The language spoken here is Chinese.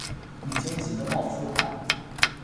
已经急的冒出汗